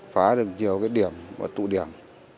phá được nhiều điểm và tụ điểm